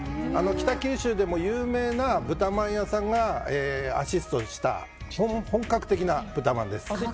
北九州でも有名な豚まん屋さんがアシストした本格的な豚まんです。